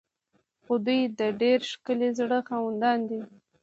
خو دوی د ډیر ښکلي زړه خاوندان دي.